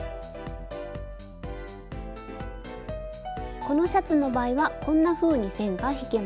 このシャツの場合はこんなふうに線が引けました。